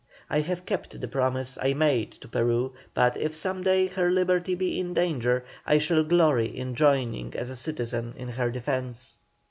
I have kept the promise I made to Peru, but if some day her liberty be in danger I shall glory in joining as a citizen in her defence."